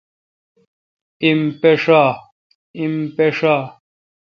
ایم پیݭا ۔